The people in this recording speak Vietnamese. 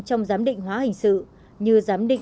trong giám định hóa hình sự như giám định